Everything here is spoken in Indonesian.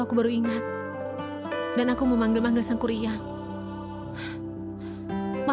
aku akan menemukanmu